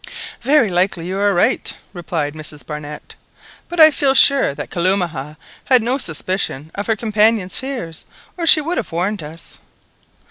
"Very likely you are right," replied Mrs Barnett; "but I feel sure that Kalumah had no suspicion of her companion's fears, or she would have warned us."